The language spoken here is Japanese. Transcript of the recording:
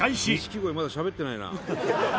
錦鯉まだしゃべってないな。